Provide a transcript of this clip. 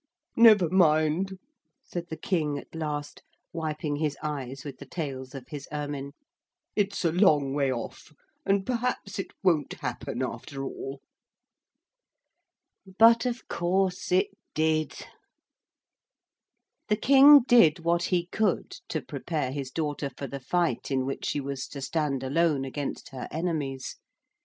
'Never mind,' said the King at last, wiping his eyes with the tails of his ermine. 'It's a long way off and perhaps it won't happen after all.' But of course it did. The King did what he could to prepare his daughter for the fight in which she was to stand alone against her enemies.